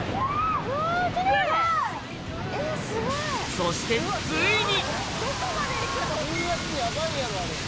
そしてついに！